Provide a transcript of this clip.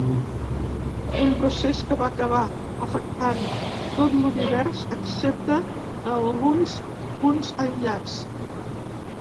Un procés que va acabar afectant tot l’univers excepte alguns punts aïllats.